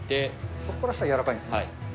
そこから下は柔らかいんです